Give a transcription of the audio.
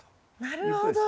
なるほど。